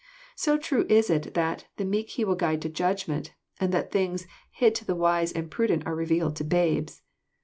So true is it that "the meek He will guide in Judgment,'' and that things " hid to the wise and prudent are revealed to babes."